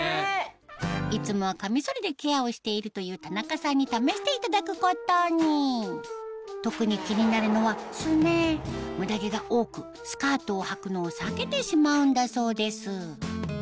いつもはカミソリでケアをしているという田中さんに試していただくことにムダ毛が多くスカートをはくのを避けてしまうんだそうです